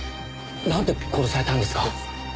なんで殺されたんですか？